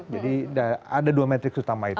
jadi ada dua metrik utama itu